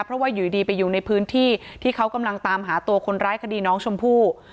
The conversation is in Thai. เพราะว่าอยู่ดีไปอยู่ในพื้นที่ที่เขากำลังตามหาตัวคนร้ายคดีน้องชมพู่